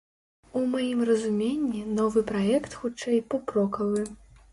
У маім разуменні, новы праект, хутчэй, поп-рокавы.